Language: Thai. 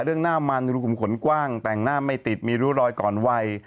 เรื่องหน้ามันรูขุมขนกว้างแต่งหน้าไม่ติดมีรู้รอยก่อนวัย